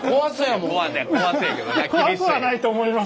怖くはないと思います。